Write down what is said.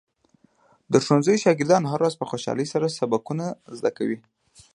د ښوونځي شاګردان هره ورځ په خوشحالۍ سره سبقونه زده کوي.